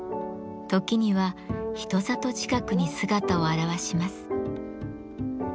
時には人里近くに姿を現します。